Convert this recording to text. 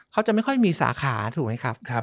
เขาจะไม่ค่อยมีสาขาถูกไหมครับ